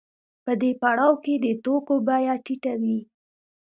په دې پړاو کې د توکو بیه ټیټه وي